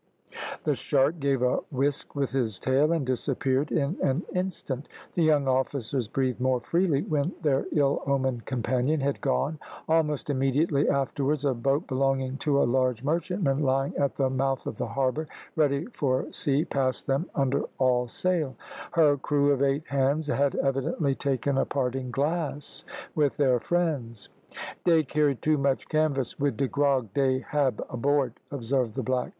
The shark gave a whisk with his tail, and disappeared in an instant. The young officers breathed more freely when their ill omened companion had gone. Almost immediately afterwards a boat belonging to a large merchantman, lying at the mouth of the harbour, ready for sea, passed them under all sail. Her crew of eight hands had evidently taken a parting glass with their friends. "Dey carry too much canvas wid de grog dey hab aboard," observed the black.